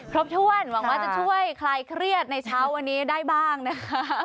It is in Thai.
ถ้วนหวังว่าจะช่วยคลายเครียดในเช้าวันนี้ได้บ้างนะคะ